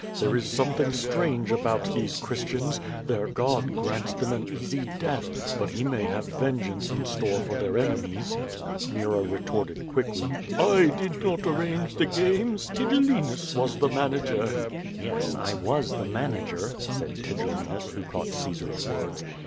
There is something strange about these Christians; their God grant8 them an easy death, but he may have vengeance in store for their enemies." Nero retorted quickly: I did not arrange the games. Tigellinus was the manager." QUO VADI8. 441 'TTes, I was the manager/' said Tigellinus, who caught Caesar's words.